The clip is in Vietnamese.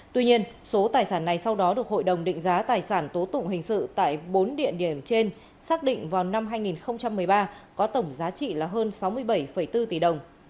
tuy nhiên số tài sản này sau đó được hội đồng định giá tài sản tố tụng hình sự tại bốn địa điểm trên xác định vào năm hai nghìn một mươi ba có tổng giá trị là hơn sáu mươi bảy bốn tỷ đồng